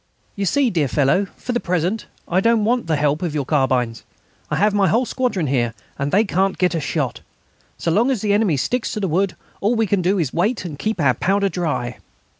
"You see, dear fellow, for the present I don't want the help of your carbines; I have my whole squadron here, and they can't get a shot. So long as the enemy sticks to the wood all we can do is to wait and keep our powder dry."